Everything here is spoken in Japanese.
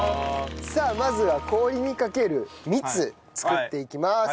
さあまずは氷にかける蜜作っていきます。